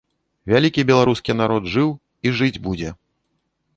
Вялікі беларускі народ жыў і жыць будзе.